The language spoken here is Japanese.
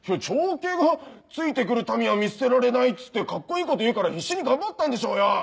長兄が付いて来る民は見捨てられないっつってカッコいいこと言うから必死に頑張ったんでしょうよ。